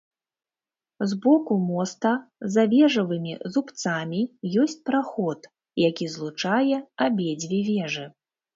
З боку моста за вежавымі зубцамі ёсць праход, які злучае абедзве вежы.